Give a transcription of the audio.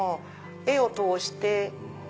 絵を通して。